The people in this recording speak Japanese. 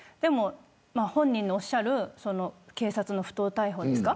本人のおっしゃる警察の不当逮捕ですか。